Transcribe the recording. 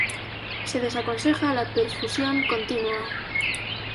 Se desaconseja la perfusión continua.